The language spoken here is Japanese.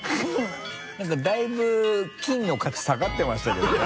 なんかだいぶ金の価値下がってましたけどね。